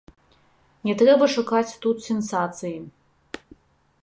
Не трэба шукаць тут сенсацыі.